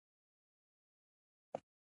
صحرا د انساني روح تمثیل دی.